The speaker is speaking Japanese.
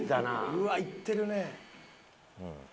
うわっいってるね。